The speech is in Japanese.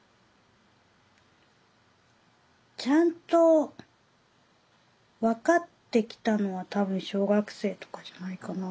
ちゃんと分かってきたのは多分小学生とかじゃないかな。